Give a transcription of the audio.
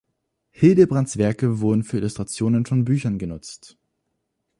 Hildebrands Werke wurden für Illustrationen von Büchern genutzt.